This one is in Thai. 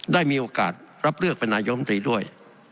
ได้มีโอกาสรับเลือกเป็นนายมตรีด้วย